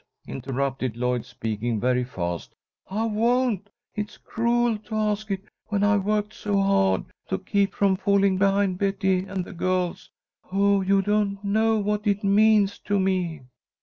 interrupted Lloyd, speaking very fast. "I won't! It's cruel to ask it when I've worked so hard to keep from falling behind Betty and the girls. Oh, you don't know what it means to me!"